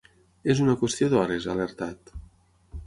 És una qüestió d’hores, ha alertat.